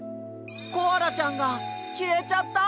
コアラちゃんがきえちゃった！